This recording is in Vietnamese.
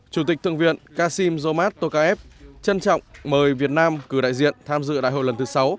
chủ tịch thượng viện kasim zomat tokayev trân trọng mời việt nam cử đại diện tham dự đại hội lần thứ sáu